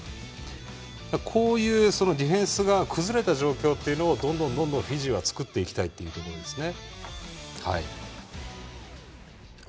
こういう、ディフェンスが崩れた状況っていうのをどんどんフィジーは作っていきたいというところですね。